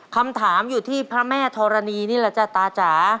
คำถามอยู่ที่พระแม่ธรณีนี่แหละจ้ะตาจ๋า